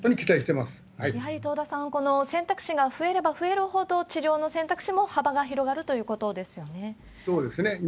やはり東田さん、この選択肢が増えれば増えるほど、治療の選択肢も幅が広がるということですそうですね。